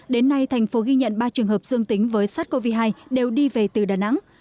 đến nay thành phố ghi nhận ba trường hợp dương tính với sars cov hai đều đi về từ đà nẵng